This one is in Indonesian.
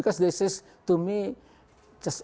karena mereka mengatakan untuk saya